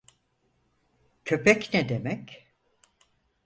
Köpek ne demek?